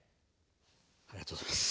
ありがとうございます。